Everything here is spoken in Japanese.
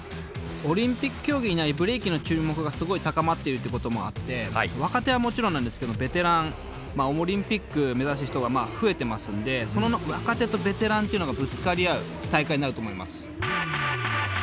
オリンピック競技になりブレイキンの注目がすごい高まっているということもあって若手はもちろんなんですけどベテランオリンピックを目指す人が増えてますんで若手とベテランっていうのがぶつかり合う大会になると思います。